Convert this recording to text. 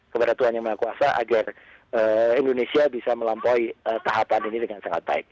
kepada tuhan yang maha kuasa agar indonesia bisa melampaui tahapan ini dengan sangat baik